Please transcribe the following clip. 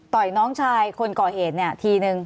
น้องชายคนก่อเหตุเนี่ยทีนึง